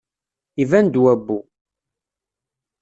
Iban-d wabbu.